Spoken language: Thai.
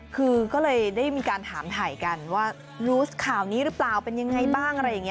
คือก็เลยได้มีการถามถ่ายกันว่ารู้ข่าวนี้หรือเปล่าเป็นยังไงบ้างอะไรอย่างนี้